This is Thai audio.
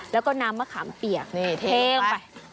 แล้วก็น้ำมะขามเปียกเทลงไป